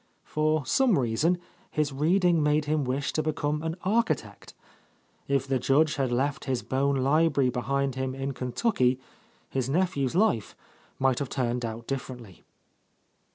For some reason, his reading made him wish to be come an architect. If the Judge had left his Bohn library behind him in Kentucky, his nephew's life might have turned out differently.